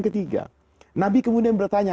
ketiga nabi kemudian bertanya